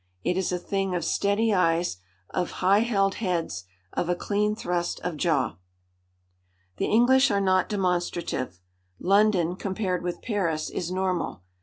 It is a thing of steady eyes, of high held heads, of a clean thrust of jaw. The English are not demonstrative. London, compared with Paris, is normal.